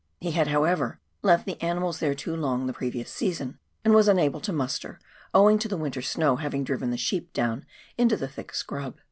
He had, however, left the animals there too long the previous season, and was imable to muster, owing to the winter snow having driven the sheep down into the thick scrub.